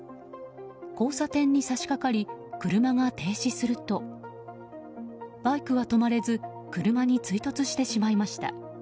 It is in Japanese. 交差点に差し掛かり車が停止するとバイクは止まれず車に追突してしまいました。